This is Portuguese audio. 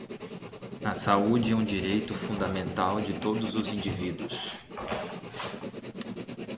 A saúde é um direito fundamental de todos os indivíduos.